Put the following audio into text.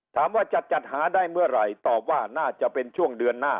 ถามว่าจะจัดหาได้เมื่อไหร่ตอบว่าน่าจะเป็นช่วงเดือนหน้า